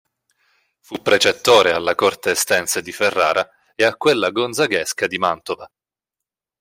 Fu precettore alla corte estense di Ferrara e a quella gonzaghesca di Mantova.